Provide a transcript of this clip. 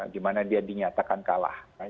gimana dia dinyatakan kalah